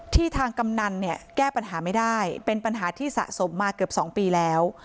ทางกำนันเนี่ยแก้ปัญหาไม่ได้เป็นปัญหาที่สะสมมาเกือบ๒ปีแล้ว